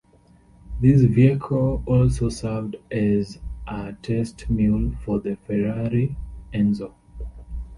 This vehicle also served as a test mule for the Ferrari Enzo.